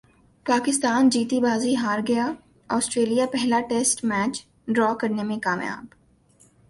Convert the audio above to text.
پاکستان جیتی بازی ہار گیا سٹریلیا پہلا ٹیسٹ میچ ڈرا کرنے میں کامیاب